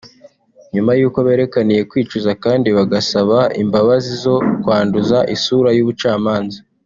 nyuma y’uko berekaniye kwicuza kandi bagasaba imbabazi zo kwanduza isura y’ubucamanza